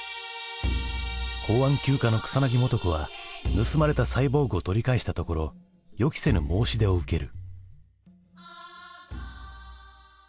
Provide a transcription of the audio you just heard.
公安９課の草薙素子は盗まれたサイボーグを取り返したところ予期せぬ申し出を受ける。